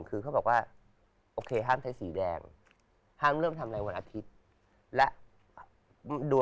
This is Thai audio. คือตอนนี้หนังฝังใจมากเลยอะโอจารส์